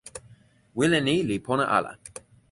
wile ni li pona ala.